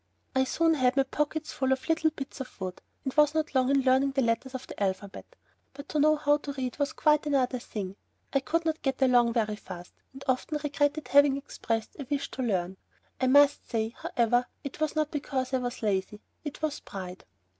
I soon had my pockets full of little bits of wood, and was not long in learning the letters of the alphabet, but to know how to read was quite another thing. I could not get along very fast, and often I regretted having expressed a wish to learn. I must say, however, it was not because I was lazy, it was pride.